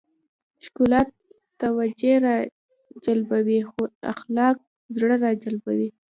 ښکلا توجه راجلبوي خو اخلاق زړه راجلبوي.